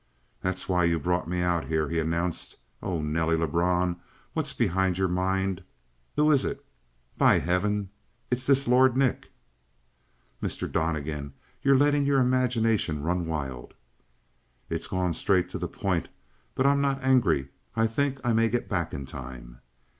"That's why you brought me out here," he announced. "Oh, Nelly Lebrun, what's behind your mind? Who is it? By heaven, it's this Lord Nick!" "Mr. Donnegan, you're letting your imagination run wild." "It's gone straight to the point. But I'm not angry. I think I may get back in time."